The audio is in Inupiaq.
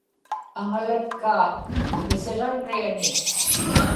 aŋalatkaa misiġarriani